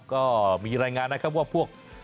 ก็มีรายงานนะครับว่าพวก